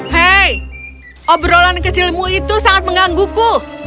hei obrolan kecilmu itu sangat menggangguku